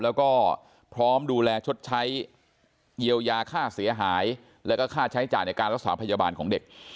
แล้วก็พร้อมดูแลชดใช้เยียวยาค่าเสียหายแล้วก็ค่าใช้จ่ายในการรักษาพยาบาลของเด็ก